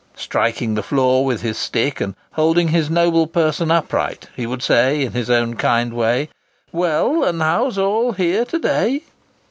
Striking the floor with his stick, and holding his noble person upright, he would say, in his own kind way, "Well, and how's all here to day?"